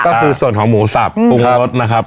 ก็คือส่วนของหมูสับปรุงรสนะครับ